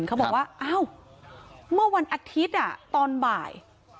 เขาบอกว่าอ้าวเมื่อวันอาทิตย์ตอนบ่าย